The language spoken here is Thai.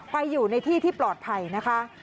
ไปอยู่ในที่ที่ปลอดภัยนะคะ